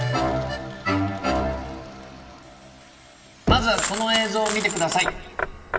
まずはこの映像を見てください！